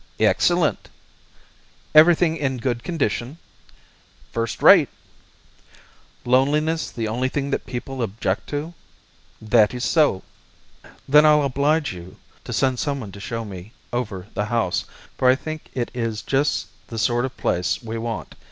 "Excellent." "Everything in good condition?" "First rate." "Loneliness the only thing people object to?" "That is so." "Then I'll oblige you to send someone to show me over the house, for I think it is just the sort of place we want.